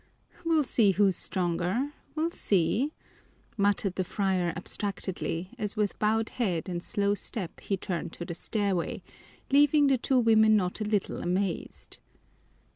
We'll see who's stronger, we'll see," muttered the friar abstractedly, as with bowed head and slow step he turned to the stairway, leaving the two women not a little amazed.